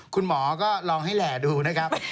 คุณหมอก็ลองให้แหล่ดูนะครับ